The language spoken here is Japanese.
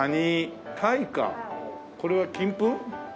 これは金粉？